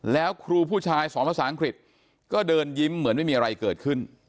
แล้วครูผู้ชายสอนภาษาอังกฤษก็เดินยิ้มเหมือนไม่มีอะไรเกิดขึ้น